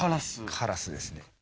カラスですね。